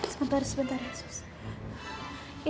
sebentar sebentar ya suster